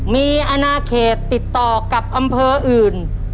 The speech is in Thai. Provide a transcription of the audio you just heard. มีอนาเขตติดต่อกับอำเภออื่น